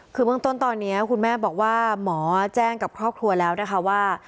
คือเบื้องต้นตอนนี้คุณแม่บอกว่าหมอแจ้งกับครอบครัวแล้วนะคะว่า